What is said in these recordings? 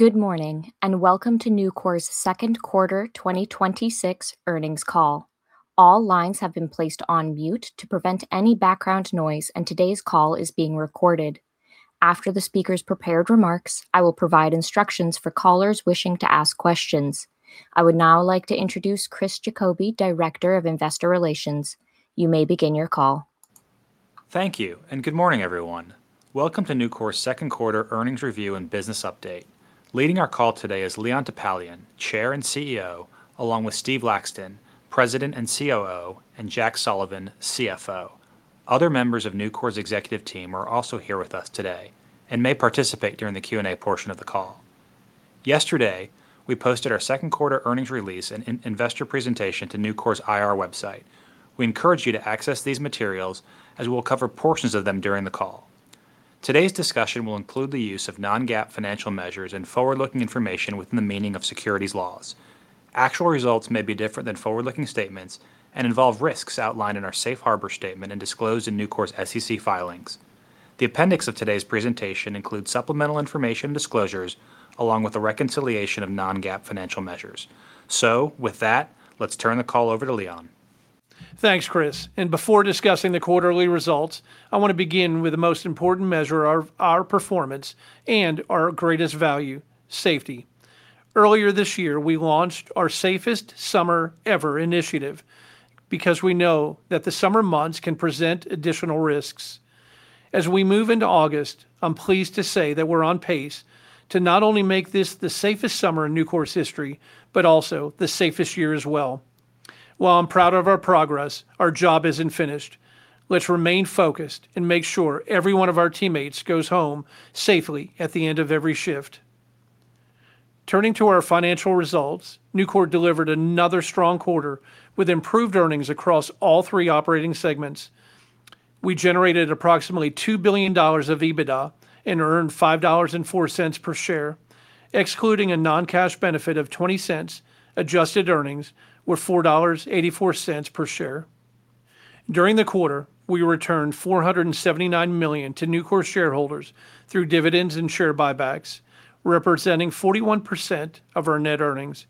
Good morning and welcome to Nucor's second quarter 2026 earnings call. All lines have been placed on mute to prevent any background noise today's call is being recorded. After the speakers' prepared remarks, I will provide instructions for callers wishing to ask questions. I would now like to introduce Chris Jacobi, Director of Investor Relations. You may begin your call. Thank you. Good morning, everyone. Welcome to Nucor's second quarter earnings review and business update. Leading our call today is Leon Topalian, Chair and CEO, along with Stephen Laxton, President and COO, and Jack Sullivan, CFO. Other members of Nucor's executive team are also here with us today and may participate during the Q&A portion of the call. Yesterday, we posted our second quarter earnings release and investor presentation to Nucor's IR website. We encourage you to access these materials as we'll cover portions of them during the call. Today's discussion will include the use of non-GAAP financial measures and forward-looking information within the meaning of securities laws. Actual results may be different than forward-looking statements and involve risks outlined in our safe harbor statement and disclosed in Nucor's SEC filings. The appendix of today's presentation includes supplemental information disclosures along with a reconciliation of non-GAAP financial measures. With that, let's turn the call over to Leon. Thanks, Chris. Before discussing the quarterly results, I want to begin with the most important measure of our performance and our greatest value safety. Earlier this year, we launched our Safest Summer Ever initiative because we know that the summer months can present additional risks. As we move into August, I'm pleased to say that we're on pace to not only make this the safest summer in Nucor's history, but also the safest year as well. While I'm proud of our progress, our job isn't finished. Let's remain focused and make sure every one of our teammates goes home safely at the end of every shift. Turning to our financial results, Nucor delivered another strong quarter with improved earnings across all three operating segments. We generated approximately $2 billion of EBITDA and earned $5.04 per share. Excluding a non-cash benefit of $0.20, adjusted earnings were $4.84 per share. During the quarter, we returned $479 million to Nucor shareholders through dividends and share buybacks, representing 41% of our net earnings.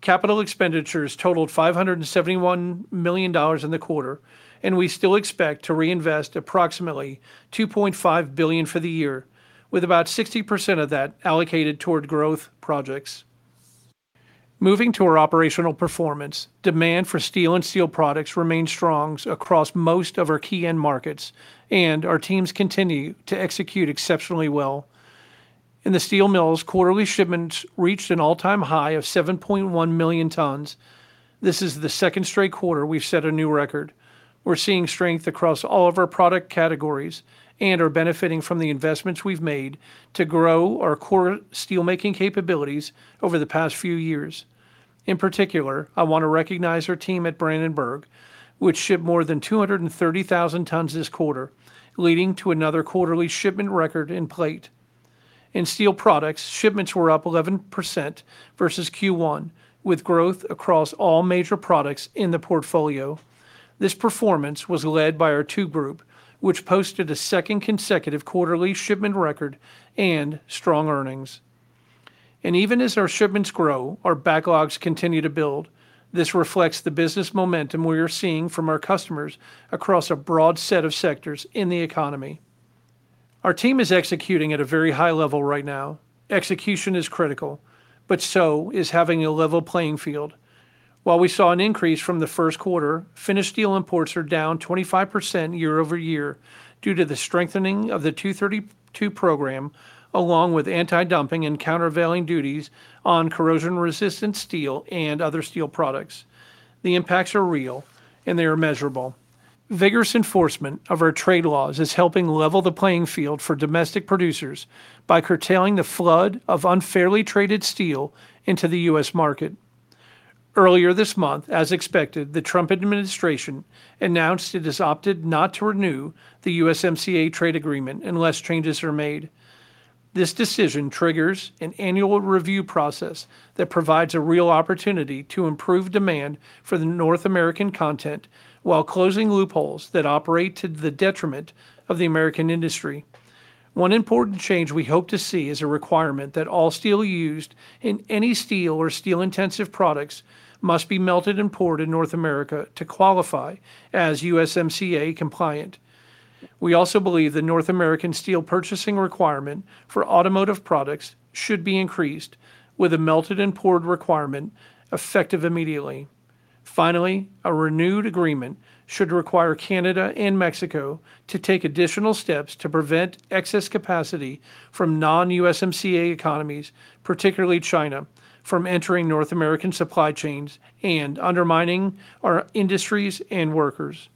Capital expenditures totaled $571 million in the quarter, and we still expect to reinvest approximately $2.5 billion for the year, with about 60% of that allocated toward growth projects. Moving to our operational performance, demand for steel and steel products remains strong across most of our key end markets, and our teams continue to execute exceptionally well. In the steel mills quarterly shipments reached an all-time high of 7.1 million tons. This is the second straight quarter we've set a new record. We're seeing strength across all of our product categories and are benefiting from the investments we've made to grow our core steelmaking capabilities over the past few years. In particular, I want to recognize our team at Brandenburg, which shipped more than 230,000 tons this quarter, leading to another quarterly shipment record in plate. In steel products, shipments were up 11% versus Q1, with growth across all major products in the portfolio. This performance was led by our tube group, which posted a second consecutive quarterly shipment record and strong earnings. Even as our shipments grow, our backlogs continue to build. This reflects the business momentum we are seeing from our customers across a broad set of sectors in the economy. Our team is executing at a very high level right now. Execution is critical, but so is having a level playing field. While we saw an increase from the first quarter finished steel imports are down 25% year-over-year due to the strengthening of the 232 program, along with anti-dumping and countervailing duties on corrosion-resistant steel and other steel products. The impacts are real, and they are measurable. Vigorous enforcement of our trade laws is helping level the playing field for domestic producers by curtailing the flood of unfairly traded steel into the U.S. market. Earlier this month, as expected the Trump administration announced it has opted not to renew the USMCA trade agreement unless changes are made. This decision triggers an annual review process that provides a real opportunity to improve demand for the North American content while closing loopholes that operate to the detriment of the American industry. One important change we hope to see is a requirement that all steel used in any steel or steel-intensive products must be melted and poured in North America to qualify as USMCA compliant. We also believe the North American steel purchasing requirement for automotive products should be increased with a melted and poured requirement effective immediately. Finally, a renewed agreement should require Canada and Mexico to take additional steps to prevent excess capacity from non-USMCA economies, particularly China from entering North American supply chains and undermining our industries and workers.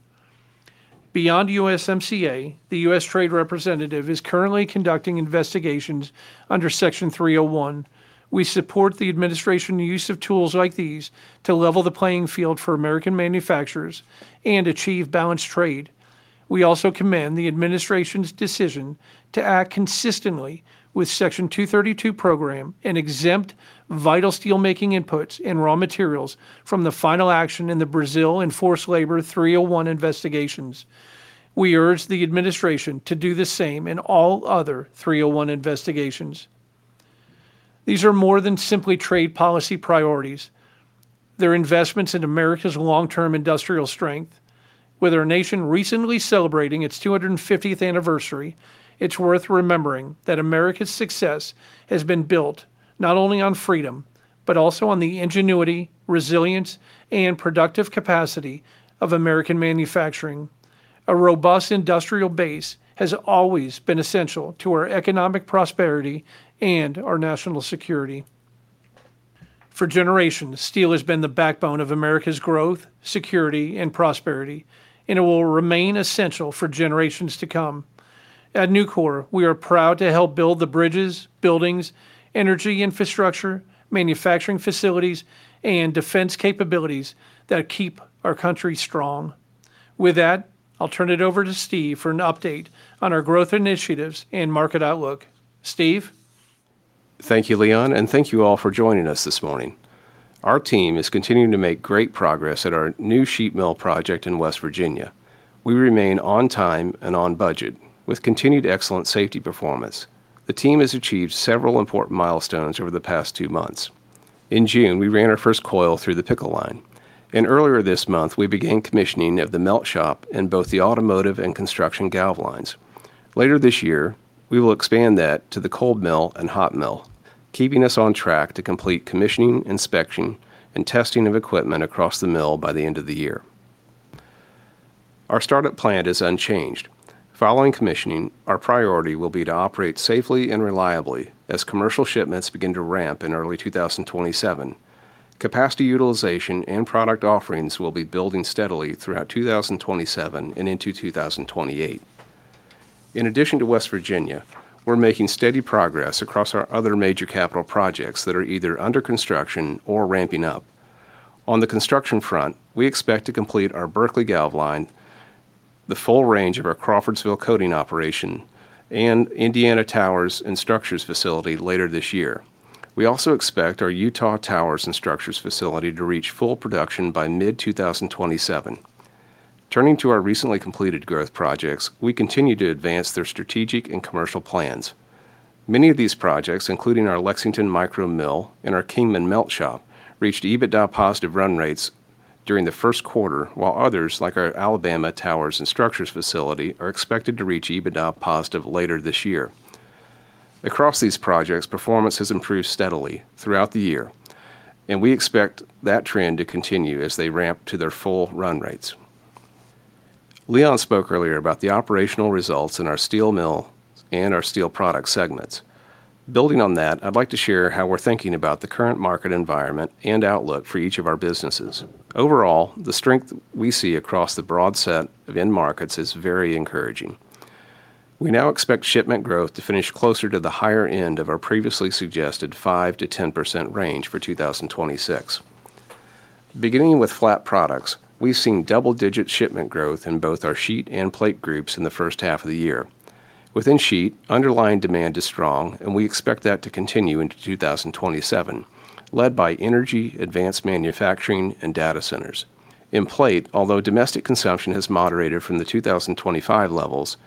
Beyond USMCA the U.S. Trade Representative is currently conducting investigations under Section 301. We support the administration use of tools like these to level the playing field for American manufacturers and achieve balanced trade. We also commend the administration's decision to act consistently with Section 232 program and exempt vital steelmaking inputs and raw materials from the final action in the Brazil enforced labor 301 investigations. We urge the administration to do the same in all other 301 investigations. These are more than simply trade policy priorities. They're investments in America's long-term industrial strength. With our nation recently celebrating its 250th anniversary, it's worth remembering that America's success has been built not only on freedom, but also on the ingenuity, resilience, and productive capacity of American manufacturing. A robust industrial base has always been essential to our economic prosperity and our national security. For generations, steel has been the backbone of America's growth, security, and prosperity, and it will remain essential for generations to come. At Nucor, we are proud to help build the bridges, buildings, energy infrastructure, manufacturing facilities, and defense capabilities that keep our country strong. With that, I'll turn it over to Stephen for an update on our growth initiatives and market outlook. Stephen? Thank you, Leon, and thank you all for joining us this morning. Our team is continuing to make great progress at our new sheet mill project in West Virginia. We remain on time and on budget with continued excellent safety performance. The team has achieved several important milestones over the past two months. Earlier this month, we began commissioning of the melt shop in both the automotive and construction galv lines. Later this year, we will expand that to the cold mill and hot mill. Keeping us on track to complete commissioning, inspection, and testing of equipment across the mill by the end of the year. Our startup plan is unchanged. Following commissioning, our priority will be to operate safely and reliably as commercial shipments begin to ramp in early 2027. Capacity utilization and product offerings will be building steadily throughout 2027 and into 2028. In addition to West Virginia, we're making steady progress across our other major capital projects that are either under construction or ramping up. On the construction front, we expect to complete our Berkeley galv line, the full range of our Crawfordsville coating operation, and Indiana Towers and Structures facility later this year. We also expect our Utah Towers and Structures facility to reach full production by mid-2027. Turning to our recently completed growth projects, we continue to advance their strategic and commercial plans. Many of these projects, including our Lexington micro mill and our Kingman melt shop, reached EBITDA positive run rates during the first quarter, while others like our Alabama Towers and Structures facility are expected to reach EBITDA positive later this year. Across these projects, performance has improved steadily throughout the year, and we expect that trend to continue as they ramp to their full run rates. Leon spoke earlier about the operational results in our steel mill and our steel product segments. Building on that, I'd like to share how we're thinking about the current market environment and outlook for each of our businesses. Overall, the strength we see across the broad set of end markets is very encouraging. We now expect shipment growth to finish closer to the higher end of our previously suggested 5%-10% range for 2026. Beginning with flat products, we've seen double-digit shipment growth in both our sheet and plate groups in the first half of the year. Within sheet, underlying demand is strong, and we expect that to continue into 2027, led by energy advanced manufacturing, and data centers. In plate, although domestic consumption has moderated from the 2025 levels,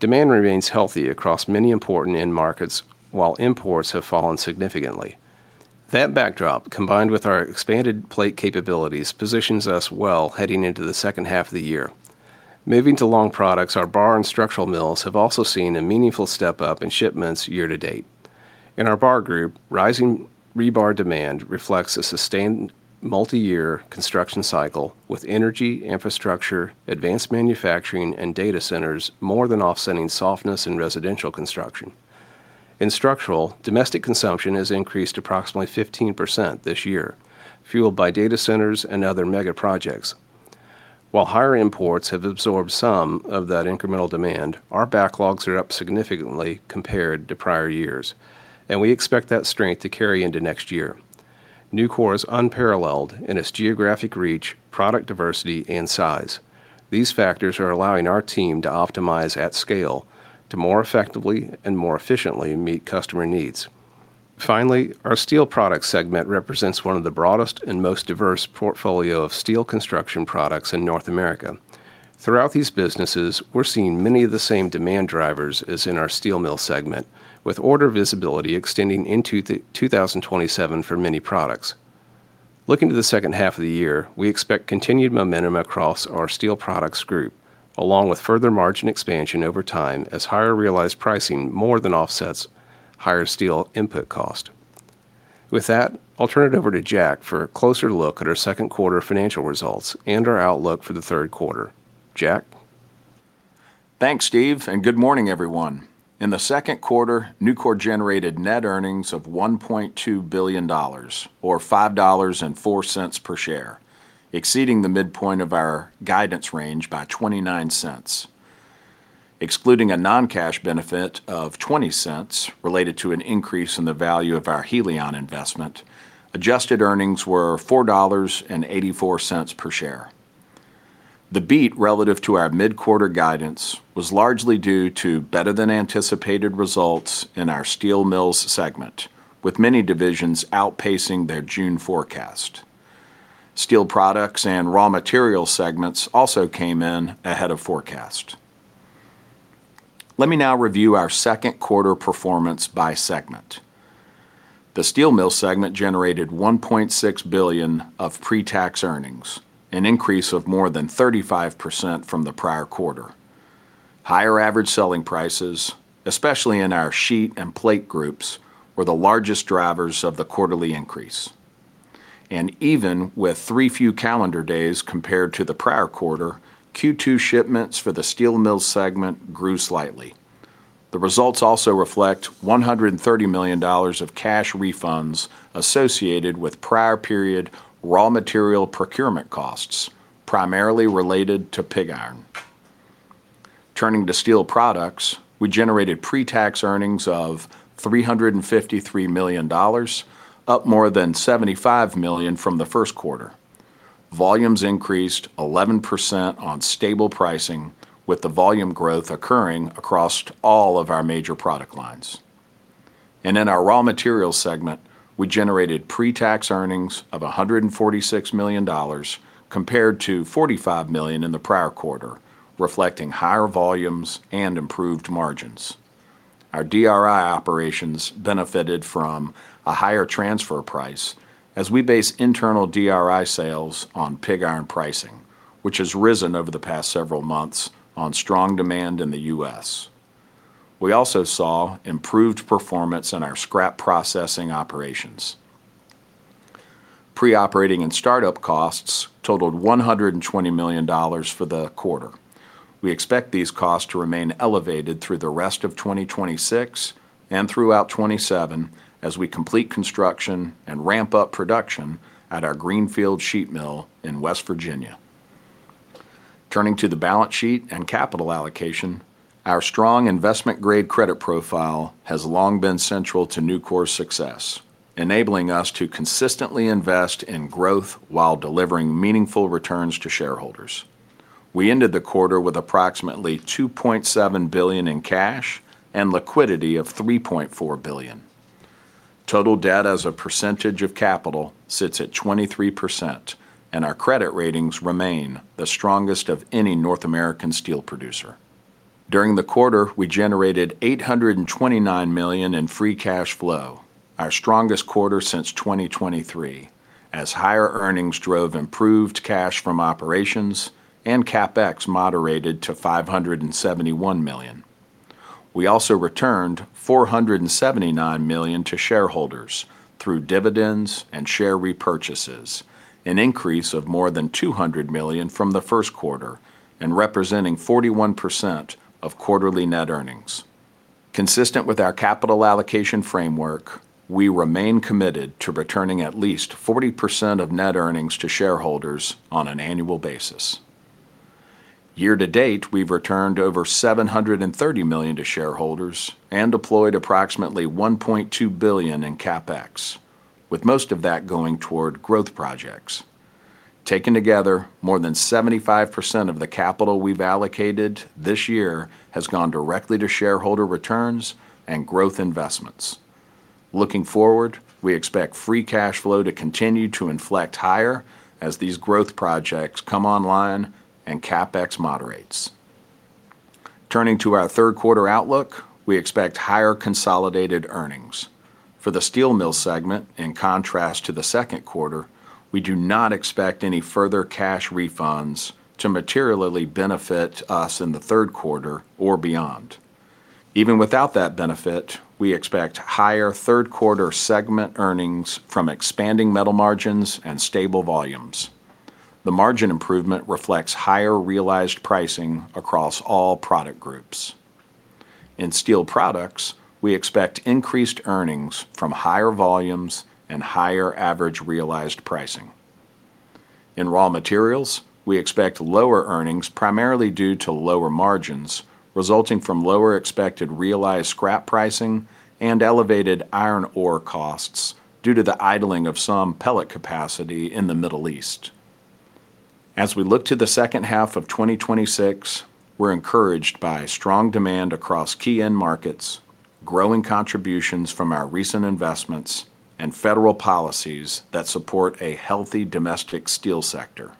demand remains healthy across many important end markets, while imports have fallen significantly. That backdrop, combined with our expanded plate capabilities, positions us well heading into the second half of the year. Moving to long products, our bar and structural mills have also seen a meaningful step up in shipments year to date. In our bar group, rising rebar demand reflects a sustained multi-year construction cycle with energy, infrastructure, advanced manufacturing, and data centers more than offsetting softness in residential construction. In structural, domestic consumption has increased approximately 15% this year, fueled by data centers and other mega projects. While higher imports have absorbed some of that incremental demand, our backlogs are up significantly compared to prior years, and we expect that strength to carry into next year. Nucor is unparalleled in its geographic reach, product diversity, and size. These factors are allowing our team to optimize at scale to more effectively and more efficiently meet customer needs. Finally, our steel product segment represents one of the broadest and most diverse portfolio of steel construction products in North America. Throughout these businesses, we're seeing many of the same demand drivers as in our steel mill segment, with order visibility extending into 2027 for many products. Looking to the H2 of the year, we expect continued momentum across our steel products group, along with further margin expansion over time as higher realized pricing more than offsets higher steel input cost. With that, I'll turn it over to Jack for a closer look at our second quarter financial results and our outlook for the third quarter. Jack? Thanks, Stephen, and good morning, everyone. In the second quarter, Nucor generated net earnings of $1.2 billion, or $5.04 per share, exceeding the midpoint of our guidance range by $0.29. Excluding a non-cash benefit of $0.20 related to an increase in the value of our Helion investment, adjusted earnings were $4.84 per share. The beat relative to our mid-quarter guidance was largely due to better than anticipated results in our steel mills segment, with many divisions outpacing their June forecast. Steel products and raw material segments also came in ahead of forecast. Let me now review our second quarter performance by segment. The Steel Mills segment generated $1.6 billion of pre-tax earnings, an increase of more than 35% from the prior quarter. Higher average selling prices, especially in our sheet and plate groups, were the largest drivers of the quarterly increase. Even with three few calendar days compared to the prior quarter, Q2 shipments for the Steel Mills segment grew slightly. The results also reflect $130 million of cash refunds associated with prior period raw material procurement costs, primarily related to pig iron. Turning to Steel Products, we generated pre-tax earnings of $353 million, up more than $75 million from the first quarter. Volumes increased 11% on stable pricing with the volume growth occurring across all of our major product lines. In our Raw Materials segment, we generated pre-tax earnings of $146 million, compared to $45 million in the prior quarter, reflecting higher volumes and improved margins. Our DRI operations benefited from a higher transfer price as we base internal DRI sales on pig iron pricing, which has risen over the past several months on strong demand in the U.S. We also saw improved performance in our scrap processing operations. Pre-operating and startup costs totaled $120 million for the quarter. We expect these costs to remain elevated through the rest of 2026 and throughout 2027 as we complete construction and ramp up production at our Greenfield Sheet mill in West Virginia. Turning to the balance sheet and capital allocation, our strong investment grade credit profile has long been central to Nucor's success, enabling us to consistently invest in growth while delivering meaningful returns to shareholders. We ended the quarter with approximately $2.7 billion in cash and liquidity of $3.4 billion. Total debt as a percentage of capital sits at 23%, and our credit ratings remain the strongest of any North American steel producer. During the quarter, we generated $829 million in free cash flow, our strongest quarter since 2023 as higher earnings drove improved cash from operations and CapEx moderated to $571 million. We also returned $479 million to shareholders through dividends and share repurchases, an increase of more than $200 million from the first quarter and representing 41% of quarterly net earnings. Consistent with our capital allocation framework, we remain committed to returning at least 40% of net earnings to shareholders on an annual basis. Year-to-date, we've returned over $730 million to shareholders and deployed approximately $1.2 billion in CapEx, with most of that going toward growth projects. Taken together, more than 75% of the capital we've allocated this year has gone directly to shareholder returns and growth investments. Looking forward, we expect free cash flow to continue to inflect higher as these growth projects come online and CapEx moderates. Turning to our third quarter outlook, we expect higher consolidated earnings. For the Steel Mills segment, in contrast to the second quarter, we do not expect any further cash refunds to materially benefit us in the third quarter or beyond. Even without that benefit, we expect higher third quarter segment earnings from expanding metal margins and stable volumes. The margin improvement reflects higher realized pricing across all product groups. In Steel Products, we expect increased earnings from higher volumes and higher average realized pricing. In Raw Materials, we expect lower earnings primarily due to lower margins resulting from lower expected realized scrap pricing and elevated iron ore costs due to the idling of some pellet capacity in the Middle East. As we look to the H2 of 2026, we're encouraged by strong demand across key end markets, growing contributions from our recent investments and federal policies that support a healthy domestic steel sector.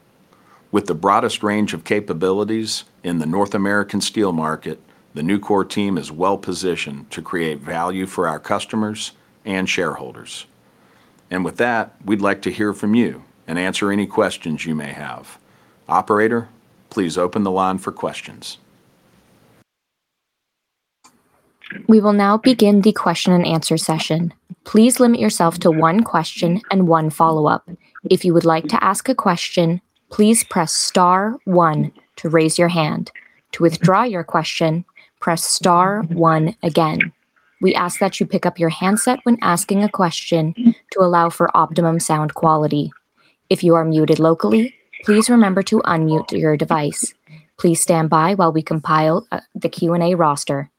With the broadest range of capabilities in the North American steel market, the Nucor team is well-positioned to create value for our customers and shareholders. With that, we'd like to hear from you and answer any questions you may have. Operator, please open the line for questions. We will now begin the question and answer session. Please limit yourself to one question and one follow-up. If you would like to ask a question, please press star one to raise your hand. To withdraw your question, press star one again. We ask that you pick up your handset when asking a question to allow for optimum sound quality. If you are muted locally, please remember to unmute your device. Please stand by while we compile the Q&A roster.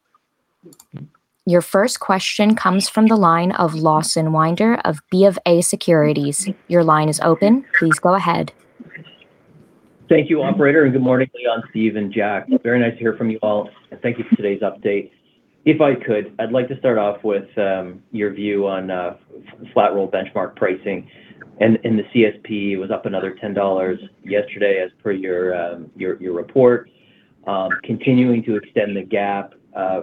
Your first question comes from the line of Lawson Winder of BofA Securities. Your line is open. Please go ahead. Thank you, operator. Good morning, Leon, Stephen, and Jack. Very nice to hear from you all. Thank you for today's update. If I could, I'd like to start off with your view on flat roll benchmark pricing. The CSP was up another $10 yesterday as per your report continuing to extend the gap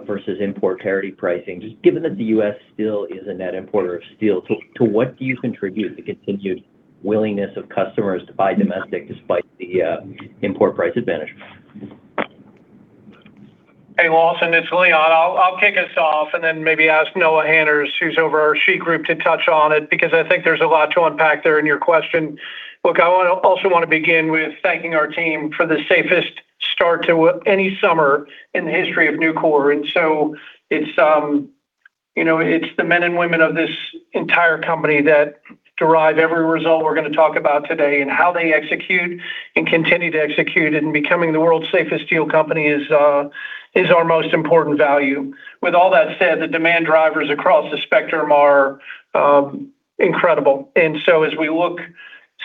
versus import parity pricing. Just given that the U.S. still is a net importer of steel, to what do you contribute the continued willingness of customers to buy domestic despite the import price advantage? Hey, Lawson, it's Leon. I'll kick us off. Then maybe ask Noah Hanners, who's over our sheet group to touch on it. Because, I think there's a lot to unpack there in your question. Look, I also want to begin with thanking our team for the safest start to any summer in the history of Nucor. It's the men and women of this entire company that derive every result we're going to talk about today and how they execute and continue to execute it and becoming the world's safest steel company is our most important value. With all that said, the demand drivers across the spectrum are incredible. As we look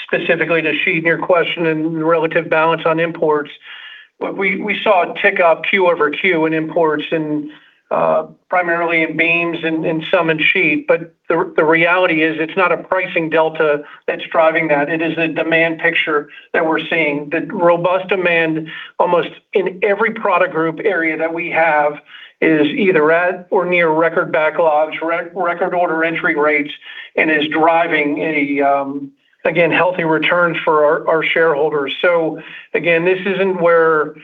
specifically to sheet in your question and the relative balance on imports, we saw a tick up Q over Q in imports and primarily in beams and some in sheet. The reality is, it's not a pricing delta that's driving that. It is a demand picture that we're seeing. The robust demand almost in every product group area that we have is either at or near record backlogs, record order entry rates, and is driving, again, healthy returns for our shareholders. Again, this isn't where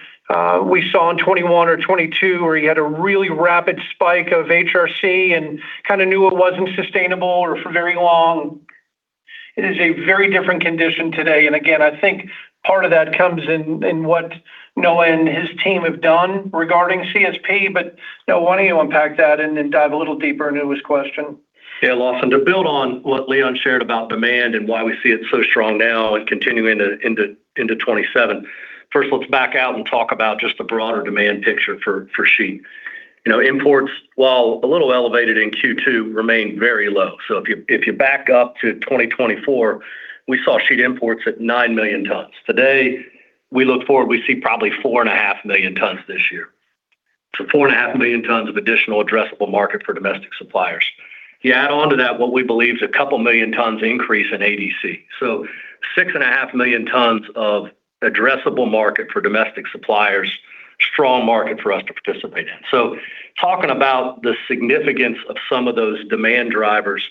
we saw in 2021 or 2022, where you had a really rapid spike of HRC and kind of knew it wasn't sustainable or for very long. It is a very different condition today. Again, I think part of that comes in what Noah and his team have done regarding CSP. Noah, why don't you unpack that and then dive a little deeper into his question? Yeah, Lawson to build on what Leon shared about demand and why we see it so strong now and continuing into 2027. First, let's back out and talk about just the broader demand picture for sheet. Imports, while a little elevated in Q2 remained very low. If you back up to 2024, we saw sheet imports at 9 million tons. Today, we look forward. We see probably 4.5 million tons this year. 4.5 million tons of additional addressable market for domestic suppliers. You add on to that what we believe is a couple million tons increase in ADC, 6.5 million tons of addressable market for domestic suppliers strong market for us to participate in. Talking about the significance of some of those demand drivers.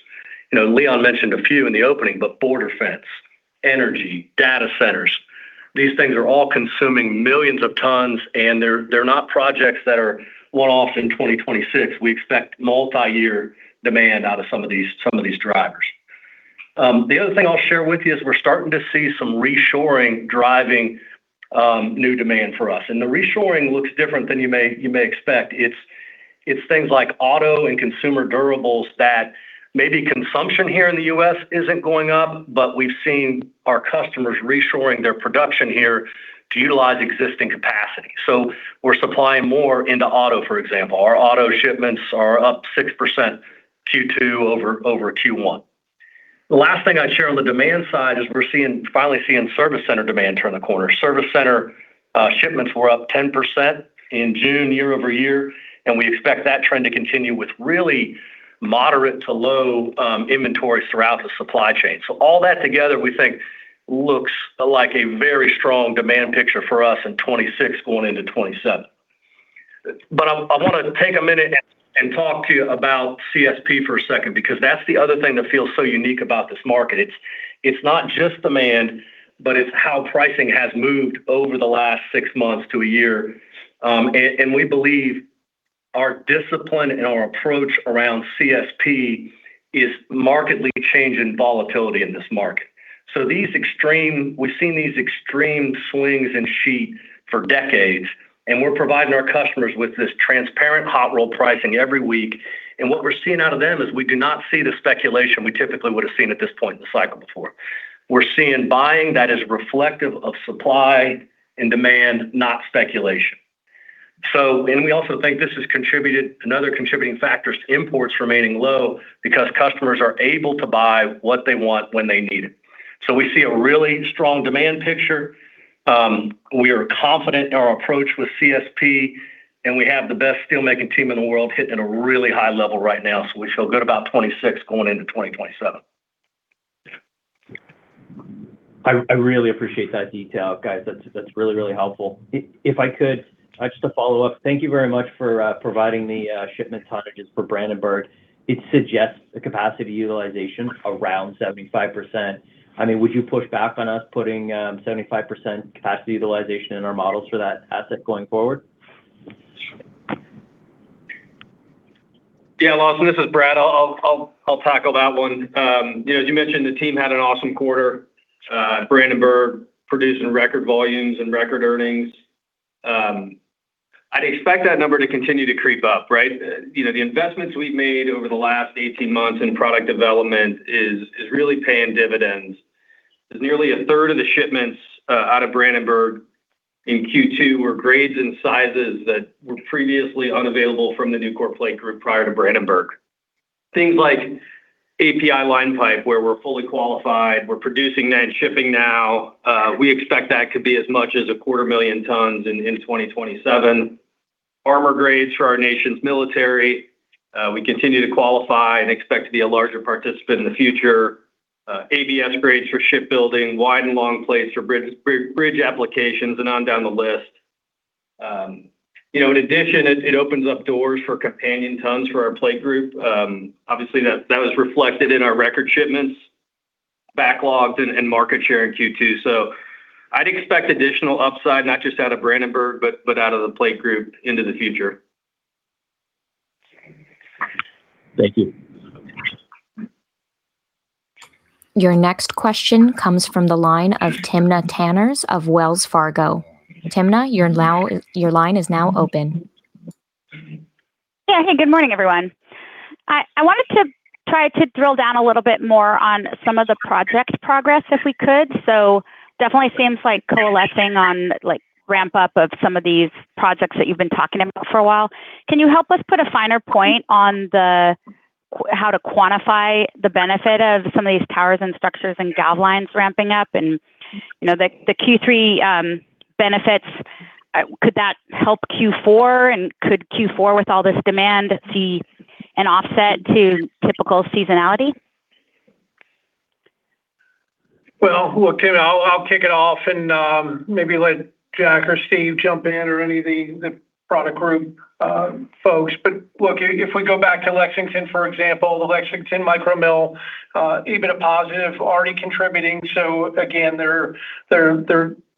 Leon mentioned a few in the opening, border fence, energy, data centers, these things are all consuming millions of tons, and they're not projects that are one-off in 2026. We expect multi-year demand out of some of these drivers. The other thing I'll share with you is we're starting to see some reshoring driving new demand for us, and the reshoring looks different than you may expect. It's things like auto and consumer durables that maybe consumption here in the U.S. isn't going up but we've seen our customers reshoring their production here to utilize existing capacity. We're supplying more into auto, for example, our auto shipments are up 6% Q2 over Q1. The last thing I'd share on the demand side is we're finally seeing service center demand turn the corner. Service center shipments were up 10% in June year-over-year, and we expect that trend to continue with really moderate to low inventories throughout the supply chain. All that together, we think looks like a very strong demand picture for us in 2026, going into 2027. I want to take a minute and talk to you about CSP for a second, because that's the other thing that feels so unique about this market. It's not just demand, but it's how pricing has moved over the last six months to a year. We believe our discipline and our approach around CSP is markedly changing volatility in this market. We've seen these extreme swings in sheet for decades, and we're providing our customers with this transparent hot roll pricing every week. What we're seeing out of them is we do not see the speculation we typically would have seen at this point in the cycle before. We're seeing buying that is reflective of supply and demand not speculation. We also think this has contributed, another contributing factor is imports remaining low because customers are able to buy what they want when they need it. We see a really strong demand picture. We are confident in our approach with CSP, and we have the best steel making team in the world hitting at a really high level right now. We feel good about 2026 going into 2027. I really appreciate that detail, guys. That's really helpful. If I could, just a follow-up. Thank you very much for providing the shipment tonnages for Brandenburg. It suggests a capacity utilization around 75%. Would you push back on us putting 75% capacity utilization in our models for that asset going forward? Yeah, Lawson, this is Brad. I'll tackle that one. As you mentioned, the team had an awesome quarter. Brandenburg producing record volumes and record earnings. I'd expect that number to continue to creep up, right. The investments we've made over the last 18 months in product development is really paying dividends. Nearly a third of the shipments out of Brandenburg in Q2 were grades and sizes that were previously unavailable from the Nucor plate group prior to Brandenburg. Things like API line pipe, where we're fully qualified. We're producing that and shipping now. We expect that could be as much as a quarter million tons in 2027. Armor grades for our nation's military. We continue to qualify and expect to be a larger participant in the future. ABS grades for shipbuilding, wide and long plates for bridge applications and on down the list. In addition, it opens up doors for companion tons for our plate group. Obviously, that was reflected in our record shipments, backlogs, and market share in Q2. I'd expect additional upside, not just out of Brandenburg, but out of the plate group into the future. Thank you. Your next question comes from the line of Timna Tanners of Wells Fargo. Timna, your line is now open. Yeah. Hey, good morning, everyone. I wanted to try to drill down a little bit more on some of the project progress if we could. Definitely seems like coalescing on ramp-up of some of these projects that you've been talking about for a while. Can you help us put a finer point on how to quantify the benefit of some of these towers and structures and gal lines ramping up and the Q3 benefits? Could that help Q4 and could Q4, with all this demand, see an offset to typical seasonality? Well, look, Timna, I'll kick it off and maybe let Jack or Stephen jump in or any of the product group folks. Look, if we go back to Lexington for example, the Lexington micro mill, EBITDA positive already contributing. Again, they're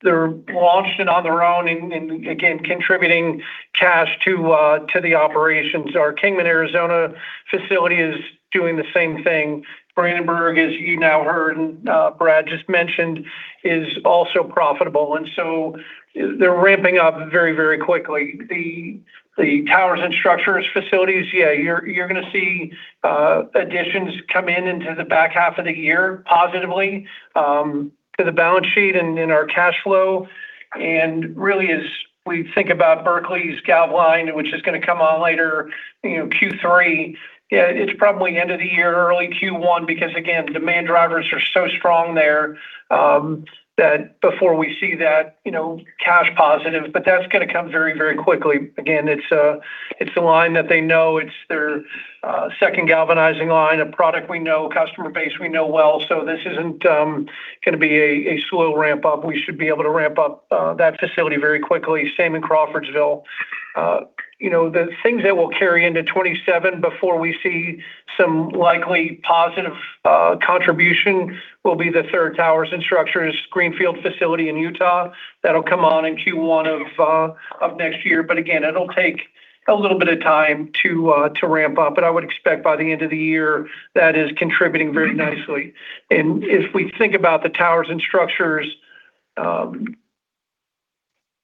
launched and on their own and again, contributing cash to the operations. Our Kingman Arizona facility is doing the same thing. Brandenburg, as you now heard and Brad just mentioned is also profitable. They're ramping up very quickly. The towers and structures facilities, yeah, you're going to see additions come in into the back half of the year, positively to the balance sheet and in our cash flow. Really, as we think about Berkeley's gal line, which is going to come on later Q3, it's probably end of the year. Early Q1, because again, demand drivers are so strong there, that before we see that cash positive. That's going to come very quickly. Again, it's a line that they know. It's their second galvanizing line, a product we know customer base we know well. This isn't going to be a slow ramp-up. We should be able to ramp up that facility very quickly. Same in Crawfordsville. The things that will carry into 2027 before we see some likely positive contribution will be the third towers and structures greenfield facility in Utah. That'll come on in Q1 of next year. Again, it'll take a little bit of time to ramp up. I would expect by the end of the year, that is contributing very nicely. If we think about the towers and structures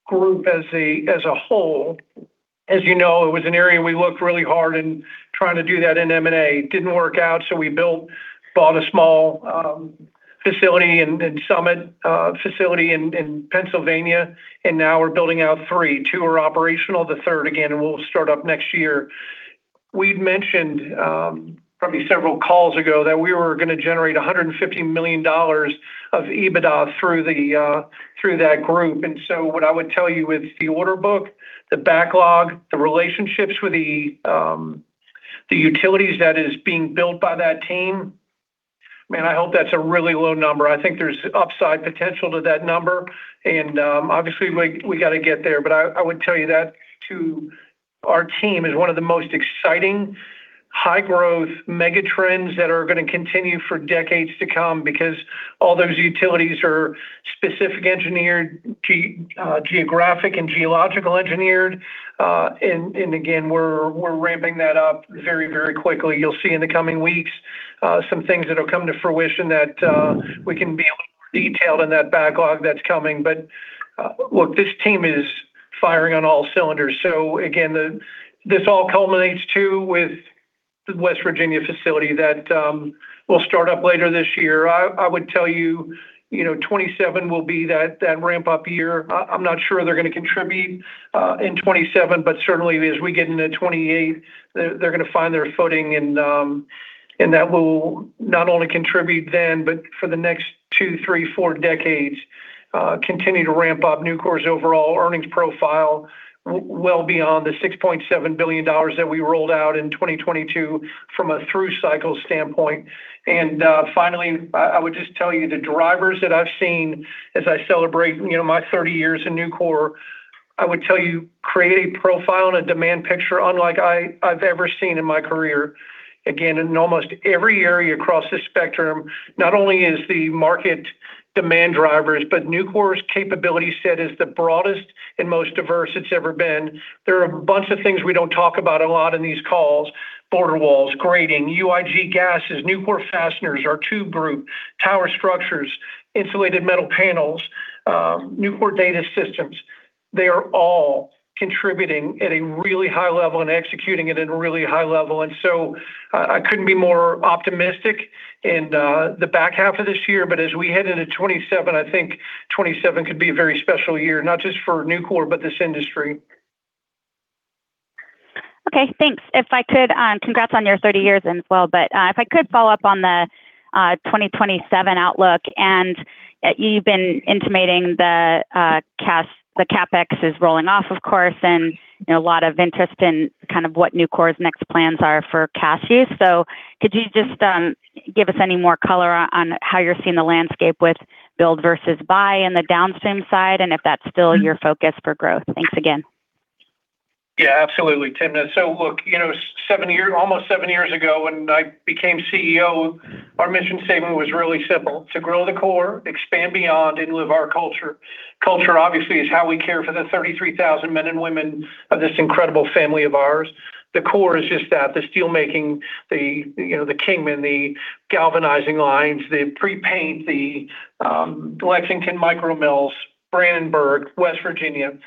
group as a whole, as you know it was an area we looked really hard in trying to do that in M&A. Didn't work out, so we built bought a small facility in Summit, facility in Pennsylvania, and now we're building out three. Two are operational. The third, again, will start up next year. We've mentioned probably several calls ago, that we were going to generate $150 million of EBITDA through that group. What I would tell you with the order book, the backlog the relationships with the utilities that is being built by that team man, I hope that's a really low number. I think there's upside potential to that number. Obviously, we got to get there. I would tell you that, too our team is one of the most exciting, high-growth mega trends that are going to continue for decades to come because all those utilities are specific engineered, geographic, and geological engineered. Again, we're ramping that up very quickly. You'll see in the coming weeks some things that will come to fruition that we can be a little more detailed in that backlog that's coming. Look, this team is firing on all cylinders. Again, this all culminates too, with the West Virginia facility that will start up later this year. I would tell you 2027 will be that ramp-up year. I'm not sure they're going to contribute in 2027, but certainly as we get into 2028, they're going to find their footing and that will not only contribute then but for the next two, three, four decades, continue to ramp up Nucor's overall earnings profile well beyond the $6.7 billion that we rolled out in 2022 from a through cycle standpoint. Finally, I would just tell you the drivers that I've seen as I celebrate my 30 years in Nucor, I would tell you, create a profile and a demand picture unlike I've ever seen in my career. Again, in almost every area across this spectrum, not only is the market demand drivers but Nucor's capability set is the broadest and most diverse it's ever been. There are a bunch of things we don't talk about a lot in these calls. Border walls, grating, UIG gases, Nucor Fastener, our tube group, tower structures, insulated metal panels, Nucor Data Systems. They are all contributing at a really high level and executing it at a really high level. I couldn't be more optimistic in the back half of this year. As we head into 2027, I think 2027 could be a very special year not just for Nucor but this industry. Okay, thanks. Congrats on your 30 years as well. If I could follow up on the 2027 outlook, and you've been intimating the CapEx is rolling off. Of course, and a lot of interest in what Nucor's next plans are for cash use. Could you just give us any more color on how you're seeing the landscape with build versus buy in the downstream side, and if that's still your focus for growth? Thanks again. Yeah, absolutely, Timna. Look, almost seven years ago, when I became CEO, our mission statement was really simple to grow the core, expand beyond, and live our culture. Culture obviously is how we care for the 33,000 men and women of this incredible family of ours. The core is just that, the steel making, the Kingman, the galvanizing lines, the pre-paint, the Lexington Micro Mills, Brandenburg, West Virginia.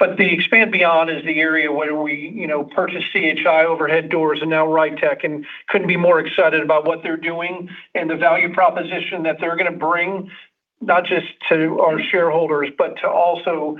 The expand beyond is the area where we purchased C.H.I. Overhead Doors and now Rytec, and couldn't be more excited about what they're doing and the value proposition that they're going to bring, not just to our shareholders but to also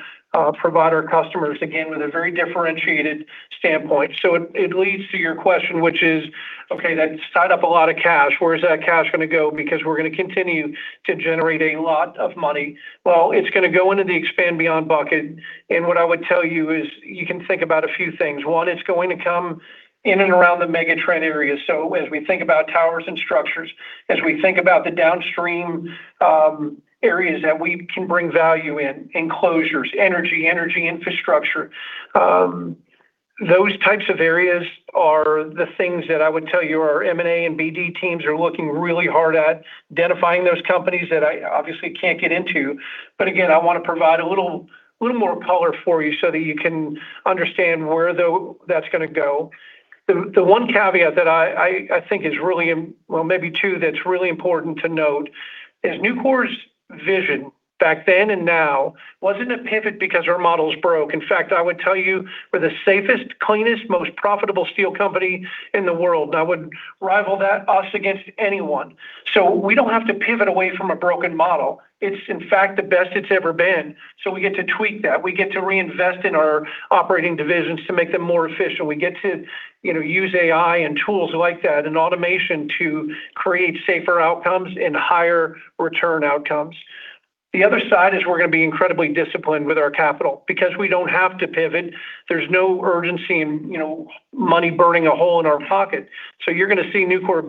provide our customers, again, with a very differentiated standpoint. It leads to your question, which is okay, that's tied up a lot of cash. Where is that cash going to go? Because we're going to continue to generate a lot of money. It's going to go into the expand beyond bucket. What I would tell you. Is you can think about a few things. One, it's going to come in and around the mega trend areas. As we think about towers and structures, as we think about the downstream areas that we can bring value in, enclosures, energy infrastructure. Those types of areas are the things that I would tell you our M&A and BD teams are looking really hard at identifying those companies that I obviously can't get into. Again, I want to provide a little more color for you so that you can understand where that's going to go. The one caveat that I think is really, well, maybe two that's really important to note is Nucor's vision back then and now wasn't a pivot because our models broke. In fact, I would tell you we're the safest, cleanest, most profitable steel company in the world. I would rival us against anyone. We don't have to pivot away from a broken model. It's in fact the best it's ever been. We get to tweak that. We get to reinvest in our operating divisions to make them more efficient. We get to use AI and tools like that and automation to create safer outcomes and higher return outcomes. The other side is, we're going to be incredibly disciplined with our capital because we don't have to pivot. There's no urgency and money burning a hole in our pocket. You're going to see Nucor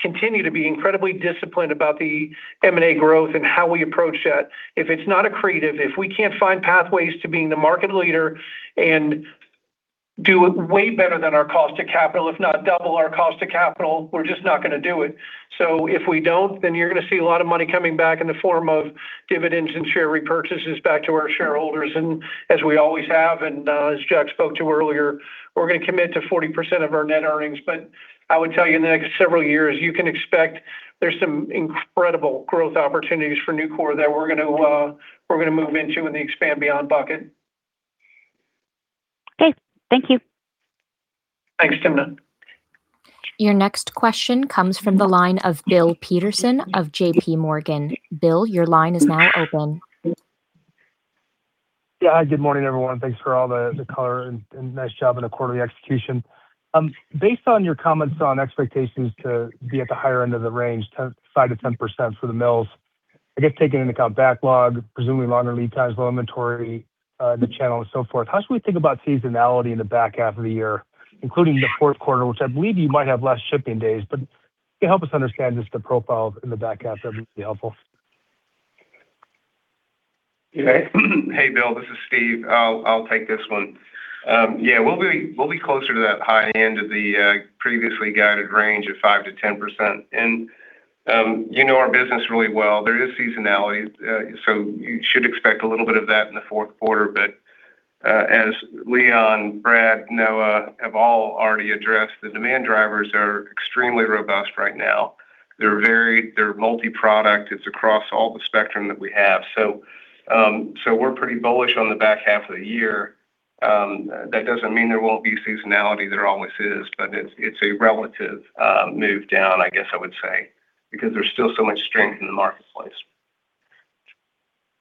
continue to be incredibly disciplined about the M&A growth and how we approach that. If it's not accretive, if we can't find pathways to being the market leader and do way better than our cost to capital, if not double our cost to capital, we're just not going to do it. If we don't, then you're going to see a lot of money coming back in the form of dividends and share repurchases back to our shareholders. As we always have, and as Jack spoke to earlier, we're going to commit to 40% of our net earnings. I would tell you in the next several years, you can expect there's some incredible growth opportunities for Nucor that we're going to move into in the expand beyond bucket. Okay. Thank you. Thanks, Timna. Your next question comes from the line of Bill Peterson of JPMorgan. Bill, your line is now open. Good morning, everyone. Thanks for all the color and nice job on the quarterly execution. Based on your comments on expectations to be at the higher end of the range, 5%-10% for the mills, I guess taking into account backlog, presumably longer lead times, low inventory, the channel and so forth, how should we think about seasonality in the back half of the year, including the fourth quarter, which I believe you might have less shipping days, Can you help us understand just the profile in the back half? That would be helpful. Hey, Bill, this is Stephen. I'll take this one. We'll be closer to that high end of the previously guided range of 5%-10%. You know our business really well. There is seasonality, you should expect a little bit of that in the fourth quarter. As Leon, Brad, Noah have all already addressed, the demand drivers are extremely robust right now. They're multi-product. It's across all the spectrum that we have. We're pretty bullish on the back half of the year. That doesn't mean there won't be seasonality. There always is. It's a relative move down, I guess I would say, because there's still so much strength in the marketplace.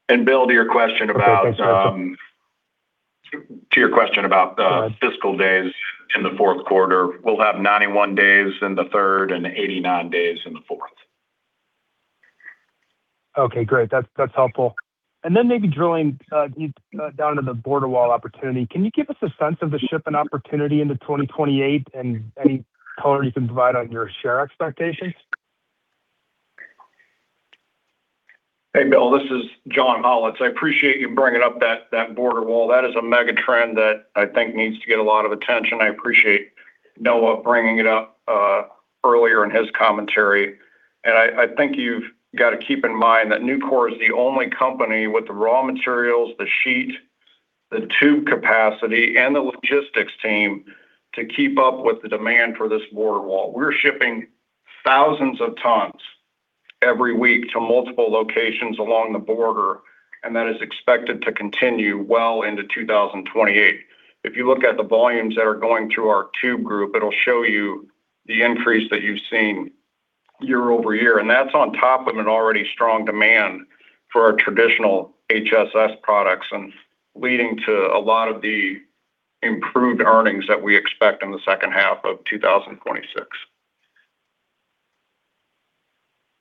Bill, to your question about to your question about the fiscal days in the fourth quarter, we'll have 91 days in the third and 89 days in the fourth. Okay, great. That's helpful. Maybe drilling down to the border wall opportunity, can you give us a sense of the shipping opportunity into 2028 and any color you can provide on your share expectations? Hey, Bill, this is John Hollatz. I appreciate you bringing up that border wall. That is a mega trend that I think needs to get a lot of attention. I appreciate Noah bringing it up earlier in his commentary. I think you've got to keep in mind that Nucor is the only company with the raw materials, the sheet, the tube capacity, and the logistics team to keep up with the demand for this border wall. We're shipping thousands of tons every week to multiple locations along the border, and that is expected to continue well into 2028. If you look at the volumes that are going through our tube group, it'll show you the increase that you've seen Year-over-year. That's on top of an already strong demand for our traditional HSS products and leading to a lot of the improved earnings that we expect in the H2 of 2026.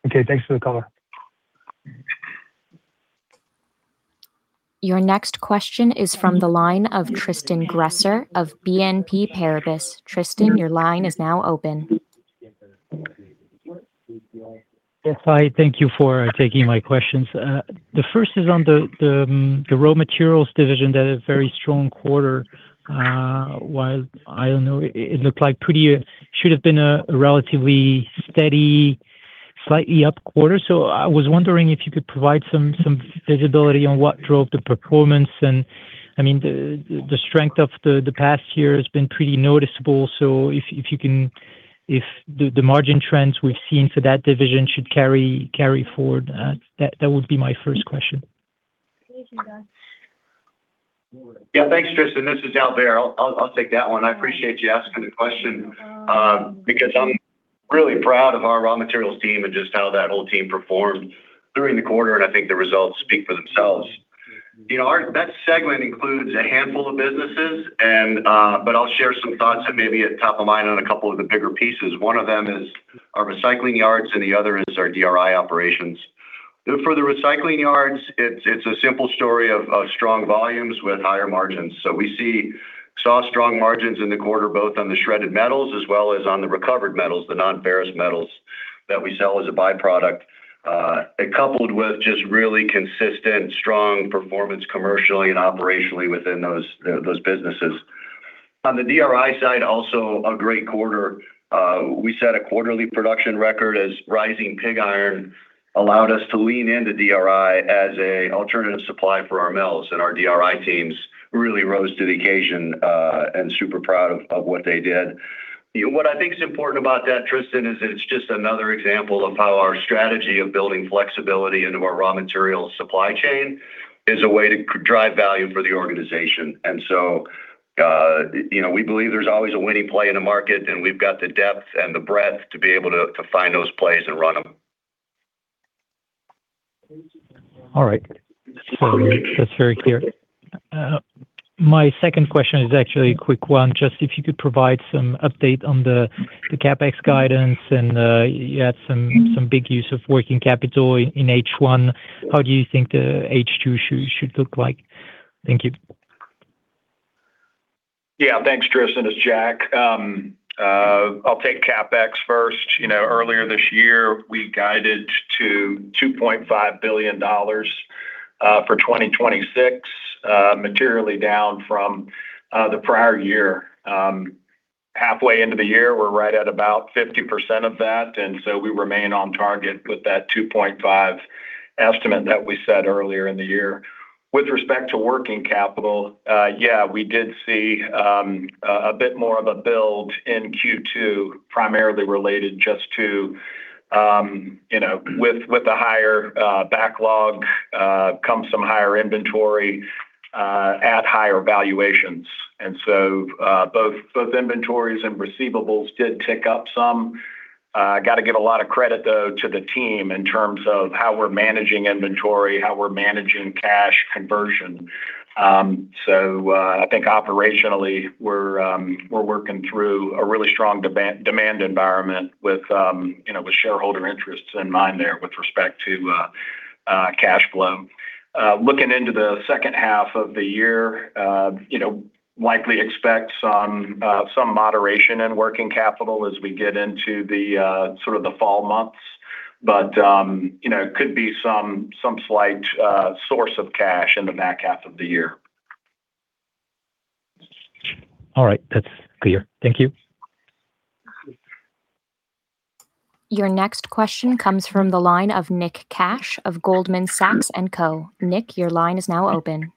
Okay. Thanks for the color. Your next question is from the line of Tristan Gresser of BNP Paribas. Tristan, your line is now open. Yes. Hi. Thank you for taking my questions. The first is on the raw materials division. That is very strong quarter. While, I don't know, it looked like should have been a relatively steady, slightly up quarter. I was wondering if you could provide some visibility on what drove the performance and, the strength of the past year has been pretty noticeable. If the margin trends we've seen for that division should carry forward. That would be my first question. Yeah. Thanks, Tristan. This is Allen Behr. I'll take that one. I appreciate you asking the question, because I'm really proud of our raw materials team and just how that whole team performed during the quarter, and I think the results speak for themselves. That segment includes a handful of businesses, but I'll share some thoughts that may be at top of mind on a couple of the bigger pieces. One of them is our recycling yards and the other is our DRI operations. For the recycling yards, it's a simple story of strong volumes with higher margins. We saw strong margins in the quarter, both on the shredded metals as well as on the recovered metals, the non-ferrous metals that we sell as a by-product. Coupled with just really consistent strong performance commercially and operationally within those businesses. On the DRI side, also a great quarter. We set a quarterly production record as rising pig iron allowed us to lean into DRI as an alternative supply for our mills and our DRI teams really rose to the occasion, and super proud of what they did. What I think is important about that, Tristan is it's just another example of how our strategy of building flexibility into our raw material supply chain is a way to drive value for the organization. We believe there's always a winning play in the market, and we've got the depth and the breadth to be able to find those plays and run them. All right. That's very clear. My second question is actually a quick one. Just if you could provide some update on the CapEx guidance and you had some big use of working capital in H1. How do you think the H2 should look like? Thank you. Yeah. Thanks, Tristan. It's Jack. I'll take CapEx first. Earlier this year, we guided to $2.5 billion for 2026, materially down from the prior year. Halfway into the year, we're right at about 50% of that, we remain on target with that $2.5 estimate that we set earlier in the year. With respect to working capital, yeah, we did see a bit more of a build in Q2, primarily related just to with the higher backlog, comes some higher inventory at higher valuations. Both inventories and receivables did tick up some. Got to give a lot of credit though, to the team in terms of how we're managing inventory, how we're managing cash conversion. I think operationally, we're working through a really strong demand environment with shareholder interests in mind there with respect to cash flow. Looking into the H2 of the year, likely expect some moderation in working capital as we get into the fall months. Could be some slight source of cash in the back half of the year. All right. That's clear. Thank you. Your next question comes from the line of Nick Cash of Goldman Sachs & Co.. Nick, your line is now open.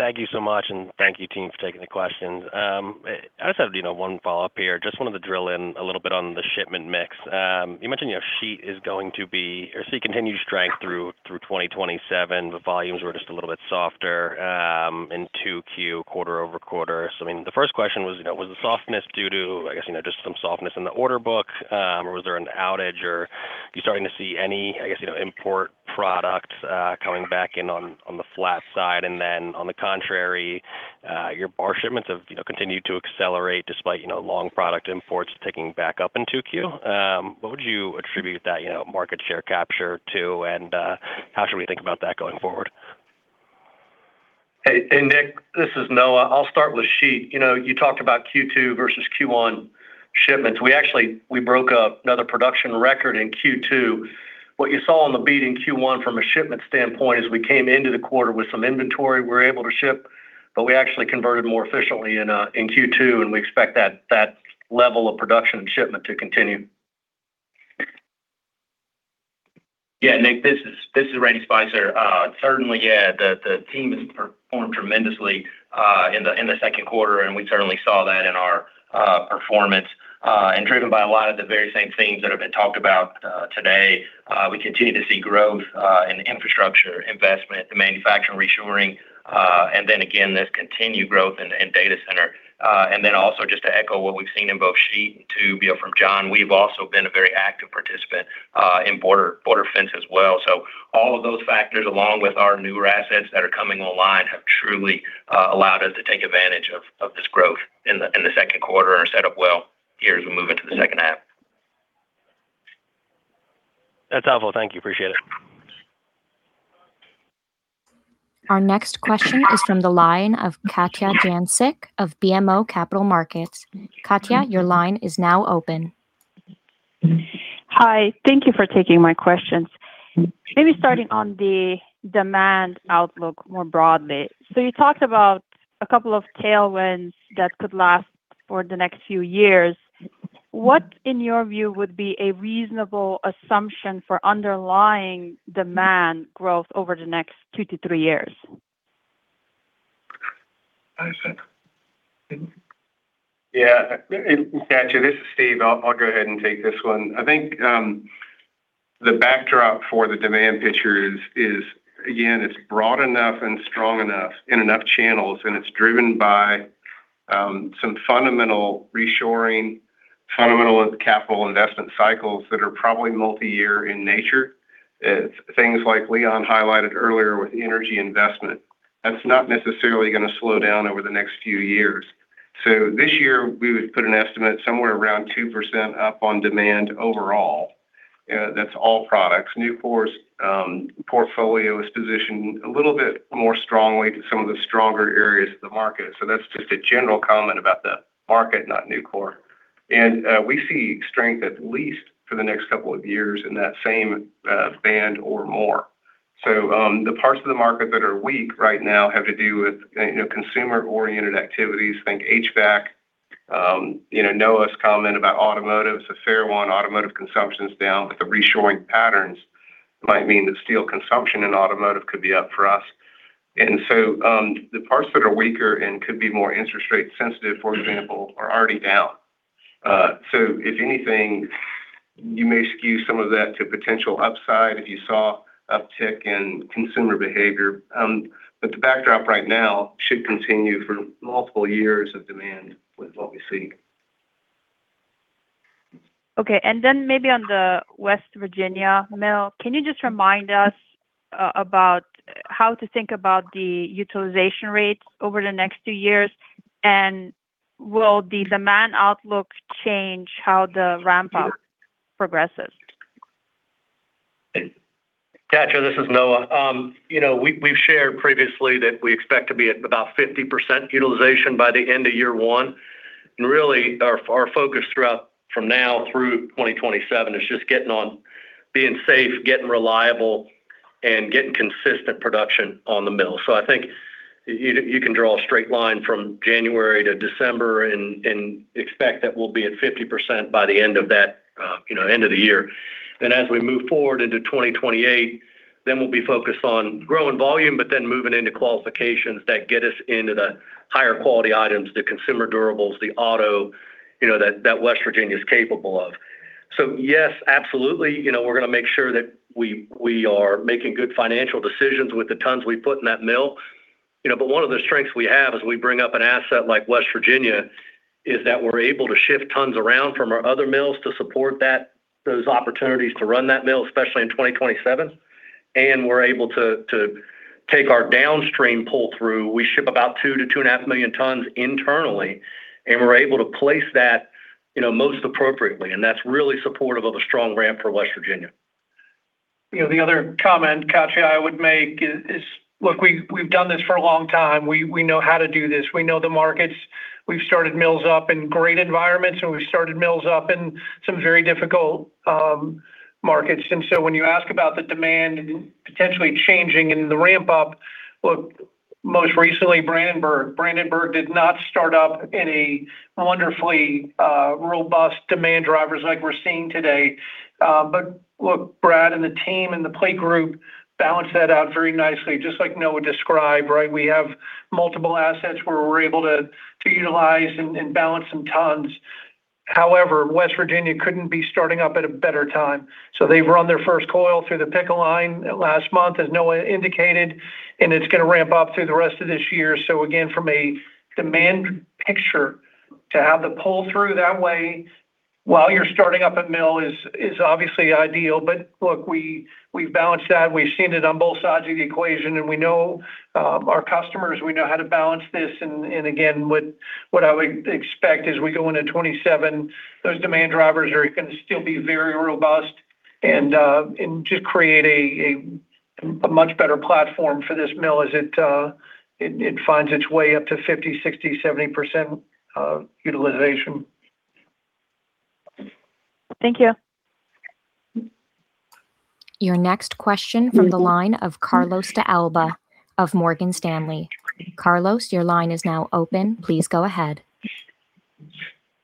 Thank you so much, and thank you team for taking the questions. I just have one follow-up here. Just wanted to drill in a little bit on the shipment mix. You mentioned your sheet continued strength through 2027. The volumes were just a little bit softer in 2Q quarter-over-quarter. The first question was the softness due to just some softness in the order book? Was there an outage? Are you starting to see any import product coming back in on the flat side? On the contrary, your bar shipments have continued to accelerate despite long product imports ticking back up in 2Q. What would you attribute that market share capture to? How should we think about that going forward? Hey, Nick, this is Noah. I'll start with sheet. You talked about Q2 versus Q1 shipments. We actually broke another production record in Q2. What you saw on the beat in Q1 from a shipment standpoint is we came into the quarter with some inventory we're able to ship, but we actually converted more efficiently in Q2, and we expect that level of production and shipment to continue. Nick, this is Randy Spicer. Certainly, the team has performed tremendously in the second quarter, we certainly saw that in our performance driven by a lot of the very same themes that have been talked about today. We continue to see growth in infrastructure investment, the manufacturing reshoring, again, this continued growth in data center. Also just to echo what we've seen in both sheet and tube from John, we've also been a very active participant in border fence as well. All of those factors, along with our newer assets that are coming online, have truly allowed us to take advantage of this growth in the second quarter and are set up well here as we move into the H2. That's helpful. Thank you. Appreciate it. Our next question is from the line of Katja Jancic of BMO Capital Markets. Katja, your line is now open. Hi. Thank you for taking my questions. Maybe starting on the demand outlook more broadly. You talked about a couple of tailwinds that could last for the next few years. What, in your view, would be a reasonable assumption for underlying demand growth over the next two to three years? Yeah. Katja, this is Stephen. I'll go ahead and take this one. I think the backdrop for the demand picture is, again, it's broad enough and strong enough in enough channels, and it's driven by some fundamental reshoring, fundamental capital investment cycles that are probably multi-year in nature. It's things like Leon highlighted earlier with energy investment. That's not necessarily going to slow down over the next few years. This year, we would put an estimate somewhere around 2% up on demand overall. That's all products. Nucor's portfolio is positioned a little bit more strongly to some of the stronger areas of the market. That's just a general comment about the market, not Nucor. We see strength at least for the next couple of years in that same band or more. The parts of the market that are weak right now have to do with consumer-oriented activities. Think HVAC. Noah's comment about automotive is a fair one. Automotive consumption's down, but the reshoring patterns might mean that steel consumption in automotive could be up for us. The parts that are weaker and could be more interest rate sensitive for example, are already down. If anything, you may skew some of that to potential upside if you saw uptick in consumer behavior. The backdrop right now should continue for multiple years of demand with what we see. Okay, then maybe on the West Virginia mill, can you just remind us about how to think about the utilization rates over the next two years? Will the demand outlook change how the ramp-up progresses? Katja, this is Noah. We've shared previously that we expect to be at about 50% utilization by the end of year one, and really our focus from now through 2027 is just getting on being safe, getting reliable and getting consistent production on the mill. I think you can draw a straight line from January to December and expect that we'll be at 50% by the end of the year. As we move forward into 2028, we'll be focused on growing volume moving into qualifications that get us into the higher quality items, the consumer durables, the auto that West Virginia is capable of. Yes, absolutely, we're going to make sure that we are making good financial decisions with the tons we put in that mill. One of the strengths we have as we bring up an asset like West Virginia is that we're able to shift tons around from our other mills to support those opportunities to run that mill, especially in 2027. We're able to take our downstream pull through. We ship about two to two and a half million tons internally, and we're able to place that most appropriately, and that's really supportive of a strong ramp for West Virginia. The other comment Katja, I would make is look, we've done this for a long time. We know how to do this. We know the markets. We've started mills up in great environments, we've started mills up in some very difficult markets. When you ask about the demand potentially changing in the ramp up look, most recently, Brandenburg. Brandenburg did not start up any wonderfully robust demand drivers like we're seeing today. Look, Brad and the team and the play group balanced that out very nicely, just like Noah described, right? We have multiple assets where we're able to utilize and balance some tons. However, West Virginia couldn't be starting up at a better time. They've run their first coil through the pickle line last month, as Noah indicated, and it's going to ramp up through the rest of this year. Again, from a demand picture to have the pull through that way while you're starting up a mill is obviously ideal. Look, we've balanced that. We've seen it on both sides of the equation, we know our customers. We know how to balance this. Again, what I would expect as we go into 2027, those demand drivers are going to still be very robust and just create a much better platform for this mill as it finds its way up to 50%, 60%, 70% utilization. Thank you. Your next question from the line of Carlos de Alba of Morgan Stanley. Carlos, your line is now open. Please go ahead.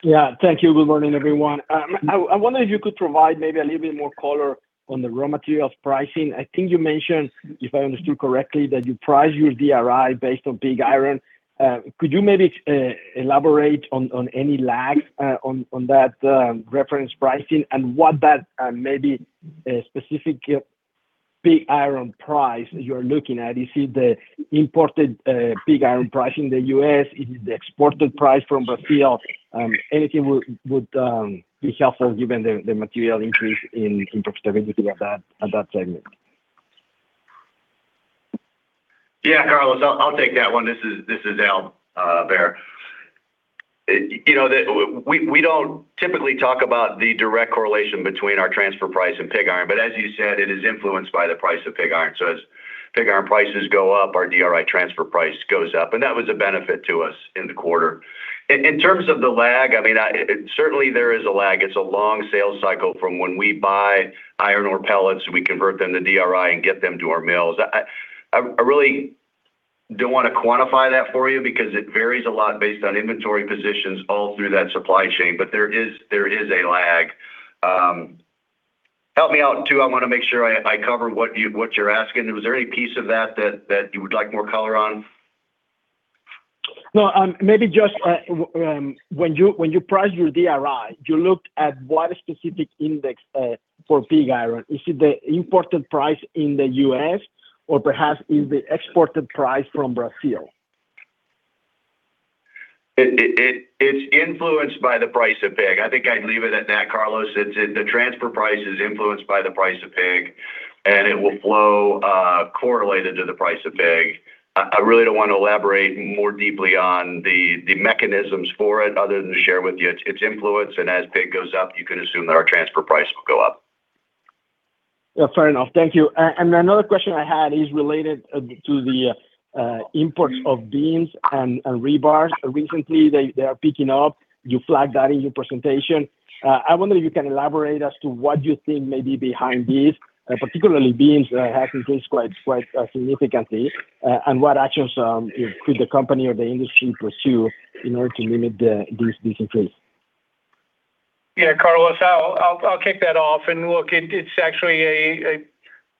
Yeah. Thank you. Good morning, everyone. I wonder if you could provide maybe a little bit more color on the raw materials pricing. I think you mentioned, if I understood correctly that you price your DRI based on pig iron. Could you maybe elaborate on any lag on that reference pricing and what that maybe specifically pig iron price you're looking at. Is it the imported pig iron price in the U.S.? Is it the exported price from Brazil? Anything would be helpful given the material increase in profitability at that segment. Yeah, Carlos, I'll take that one. This is Allen Behr. We don't typically talk about the direct correlation between our transfer price and pig iron, but as you said, it is influenced by the price of pig iron. As pig iron prices go up, our DRI transfer price goes up, and that was a benefit to us in the quarter. In terms of the lag, certainly there is a lag. It's a long sales cycle from when we buy iron ore pellets, we convert them to DRI and get them to our mills. I really don't want to quantify that for you because it varies a lot based on inventory positions all through that supply chain, but there is a lag. Help me out too. I want to make sure I cover what you're asking. Was there any piece of that that you would like more color on? No. Maybe just when you priced your DRI, you looked at what specific index for pig iron. Is it the imported price in the U.S. or perhaps is it the exported price from Brazil? It's influenced by the price of pig. I think I'd leave it at that, Carlos. The transfer price is influenced by the price of pig. It will flow correlated to the price of pig. I really don't want to elaborate more deeply on the mechanisms for it other than to share with you its influence. As pig goes up, you can assume that our transfer price will go up. Yeah, fair enough. Thank you. Another question I had is related to the imports of beams and rebars. Recently, they are picking up. You flagged that in your presentation. I wonder if you can elaborate as to what you think may be behind this. Particularly beams have increased quite significantly. What actions could the company or the industry pursue in order to limit this increase? Yeah, Carlos, I'll kick that off. Look, it's actually a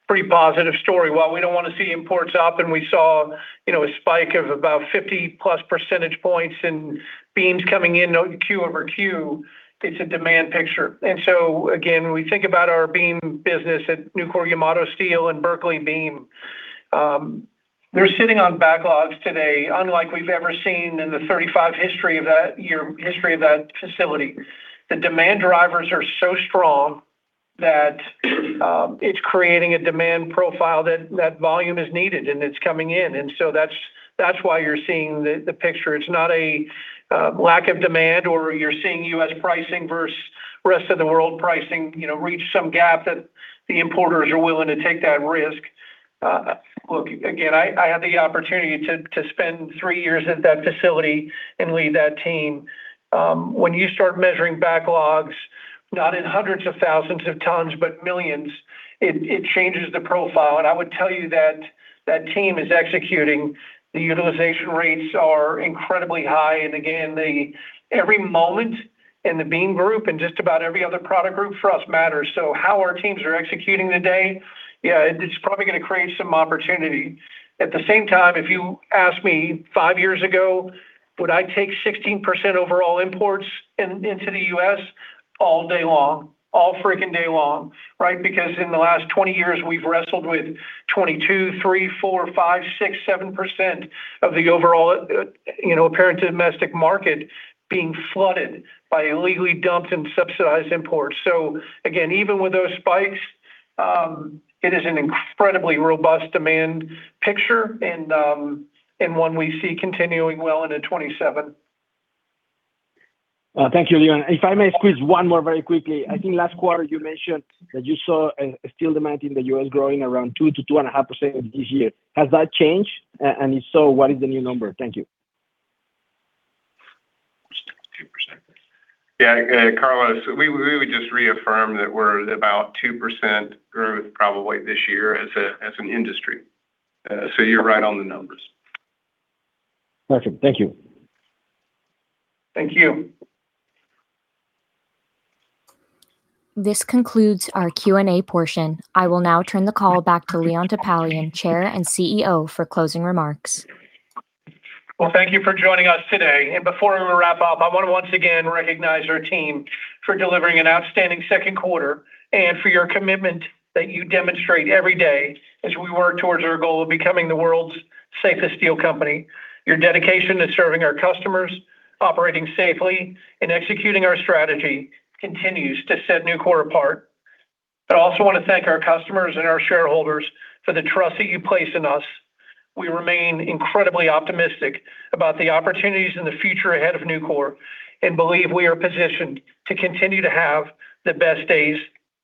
pretty positive story. While we don't want to see imports up and we saw a spike of about 50%+ points in beams coming in quarter-over-quarter, it's a demand picture. Again, when we think about our beam business at Nucor-Yamato Steel and Berkeley Beam, they're sitting on backlogs today unlike, we've ever seen in the 35-year history of that facility. The demand drivers are so strong that it's creating a demand profile that volume is needed, and it's coming in. That's why you're seeing the picture. It's not a lack of demand, or you're seeing U.S. pricing versus rest-of-the-world pricing reach some gap that the importers are willing to take that risk. Look, again, I had the opportunity to spend three years at that facility and lead that team. When you start measuring backlogs not in hundreds of thousands of tons, but millions, it changes the profile. I would tell you that that team is executing. The utilization rates are incredibly high. Again, every moment in the beam group and just about every other product group for us matters. How our teams are executing today, yeah, it's probably going to create some opportunity. At the same time, if you asked me five years ago, would I take 16% overall imports into the U.S.? All day long. All freaking day long, right? Because in the last 20 years, we've wrestled with 22%, 23%, 24%, 25%, 26%, 27% of the overall apparent domestic market being flooded by illegally dumped and subsidized imports. Again, even with those spikes, it is an incredibly robust demand picture and one we see continuing well into 2027. Thank you, Leon. If I may squeeze one more very quickly. I think last quarter you mentioned that you saw steel demand in the U.S. growing around 2% to 2.5% this year. Has that changed? If so, what is the new number? Thank you. Yeah, Carlos, we would just reaffirm that we're at about 2% growth probably this year as an industry. You're right on the numbers. Perfect. Thank you. Thank you. This concludes our Q&A portion. I will now turn the call back to Leon Topalian, Chair and CEO for closing remarks. Well, thank you for joining us today. Before we wrap up, I want to once again recognize our team for delivering an outstanding second quarter and for your commitment that you demonstrate every day as we work towards our goal of becoming the world's safest steel company. Your dedication to serving our customers, operating safely, and executing our strategy continues to set Nucor apart. I also want to thank our customers and our shareholders for the trust that you place in us. We remain incredibly optimistic about the opportunities and the future ahead of Nucor and believe we are positioned to continue to have the best days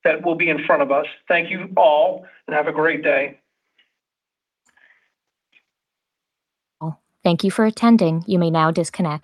that will be in front of us. Thank you all, and have a great day. Thank you for attending. You may now disconnect.